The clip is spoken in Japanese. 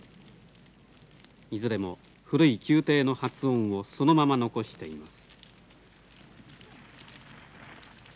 いずれも古い宮廷の発音をそのまま残しています。